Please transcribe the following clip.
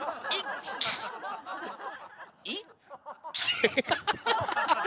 アハハハ！